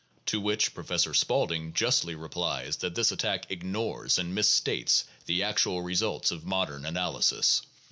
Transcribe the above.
To which Professor Spaulding justly replies that this attack ignores and misstates the actual results of modern analysis.